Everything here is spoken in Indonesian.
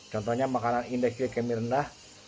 contohnya makanan dengan indeks glicemis rendah